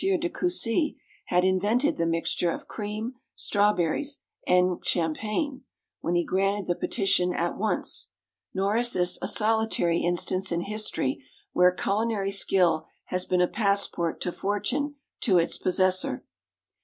de Cussy had invented the mixture of cream, strawberries, and champagne, when he granted the petition at once. Nor is this a solitary instance in history where culinary skill has been a passport to fortune to its possessor.